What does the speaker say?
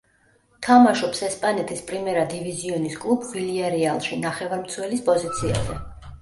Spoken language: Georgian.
თამაშობს ესპანეთის პრიმერა დივიზიონის კლუბ „ვილიარეალში“, ნახევარმცველის პოზიციაზე.